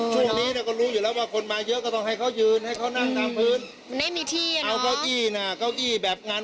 ช่วงนี้ก็รู้อยู่แล้วว่าคนมาเยอะก็ต้องให้เขายืนให้เขานั่งตามพื้น